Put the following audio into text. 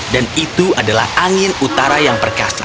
dan itu adalah angin utara yang perkasa